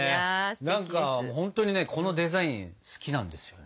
何かほんとにねこのデザイン好きなんですよね。